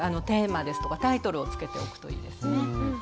テーマですとかタイトルを付けておくといいですね。